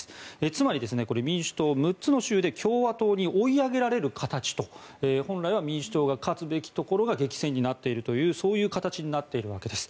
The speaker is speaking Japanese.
つまり民主党、６つの州で共和党に追い上げられる形と本来は民主党が勝つべきところが激戦になっているというそういう形になっているわけです。